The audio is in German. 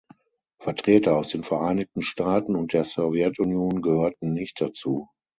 Vertreter aus den Vereinigten Staaten und der Sowjetunion gehörten nicht dazu.